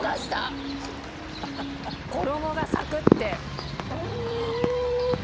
衣がサクって！